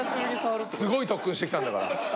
すごい特訓してきたんだから。